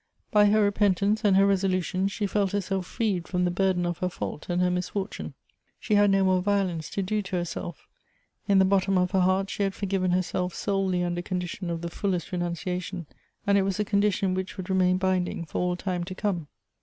By her repentance and her resolution she felt herself freed from the burden of her fault and her misfortune. She had no more violence to do to herself In the bottom of her heart she had for given herself solely under condition of the fullest renun ciation, and it was a condition which would remain binding for all time to come.